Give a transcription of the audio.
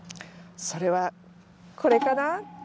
それはこれかな？